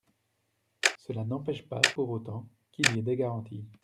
Cela n’empêche pas pour autant qu’il y ait des garanties.